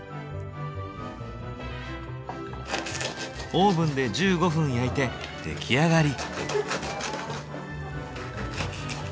オーブンで１５分焼いて出来上がり。